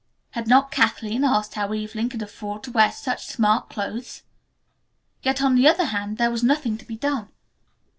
Had not Kathleen asked how Evelyn could afford to wear such smart clothes? Yet on the other hand, there was nothing to be done.